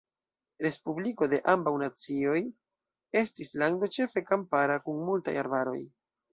Respubliko de Ambaŭ Nacioj estis lando ĉefe kampara kun multaj arbaroj.